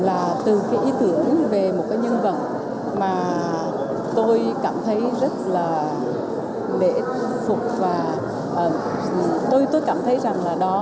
là từ cái ý tưởng về một cái nhân vật mà tôi cảm thấy rất là lễ phục và tôi cảm thấy rằng là đó